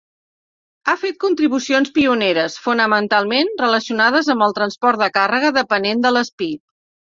Ha fet contribucions pioneres, fonamentalment relacionades amb el transport de càrrega depenent de l'espí.